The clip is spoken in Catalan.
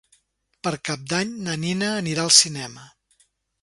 Per Cap d'Any na Nina anirà al cinema.